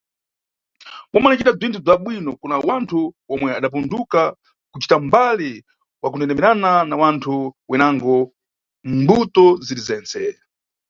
Boma linʼcita bzinthu bza bwino kuna wanthu omwe adapunduka kucita mbali, mwakundendemera na wanthu wenango, mʼmbuto ziri zentse.